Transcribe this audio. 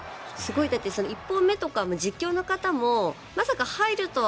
１本目とかも実況の方もまさか入るとは。